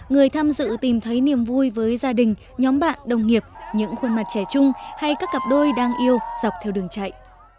người tham dự tìm thấy niềm vui với gia đình nhóm bạn đồng nghiệp những khuôn mặt trẻ chung hay các cặp đôi đang yêu dọc theo đường chạy